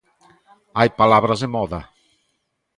Hai palabras de moda.